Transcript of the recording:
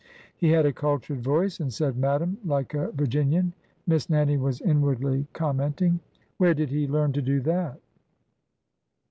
He had a cultured voice, and said madam " like a Virginian, Miss Nannie was inwardly commenting. Where did he learn to do that?